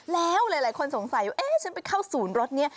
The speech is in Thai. แล้วหลายคนสงสัยว่าเอ๊ะฉันไปเข้าศูนย์รถนี้